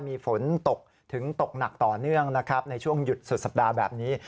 มีฝนตกถึงตกหนักต่อเนื่องนะครับในช่วงหยุดสุดสัปดาห์แบบนี้